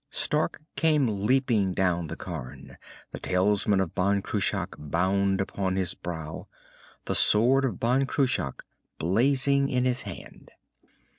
Stark came leaping down the cairn, the talisman of Ban Cruach bound upon his brow, the sword of Ban Cruach blazing in his hand.